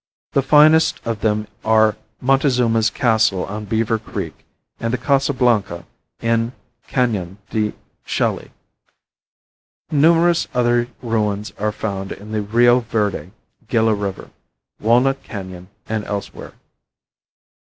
The finest of them are Montezuma's Castle on Beaver creek, and the Casa Blanca in Canon de Chelly. Numerous other ruins are found on the Rio Verde, Gila river, Walnut Canon and elsewhere.